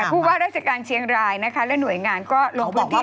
คือว่าราชการเชียงรายนะคะและหน่วยงานก็ลงพื้นที่สำคัญแล้ว